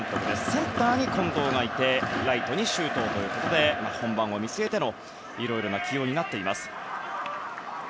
センターに近藤がいてライトに周東ということで本番を見据えてのいろいろな起用になっています。